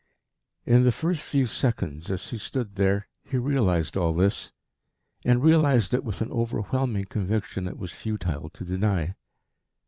In the first few seconds, as he stood there, he realised all this, and realised it with an overwhelming conviction it was futile to deny.